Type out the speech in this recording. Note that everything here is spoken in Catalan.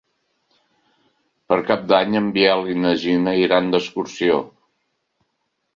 Per Cap d'Any en Biel i na Gina iran d'excursió.